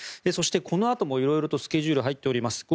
そして、このあとも色々とスケジュールが入っています。